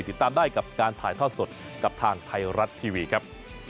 ติดตามได้กับการถ่ายทอดสดกับทางไทยรัฐทีวีครับ